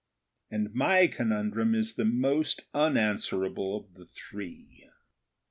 And my conundrum is the most unanswerable of the three.